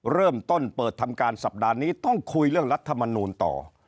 เริ่มต้นเปิดทำการสัปดาห์นี้ต้องคุยเรื่องรัฐมนูลต่อ